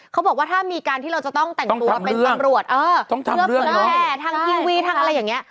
เขาบอกว่าถ้ามีการที่เราจะต้องแต่งตัวเป็นตำรวจ